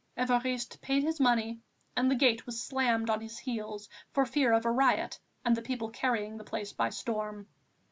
Évariste paid his money, and the gate was slammed on his heels, for fear of a riot and the people carrying the place by storm.